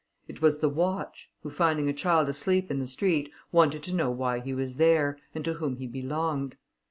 It was the watch, who finding a child asleep in the street, wanted to know why he was there, and to whom he belonged.